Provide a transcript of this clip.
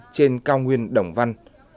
tỉnh đồng văn